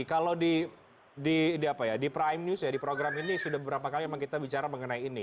kalau di prime news ya di program ini sudah beberapa kali memang kita bicara mengenai ini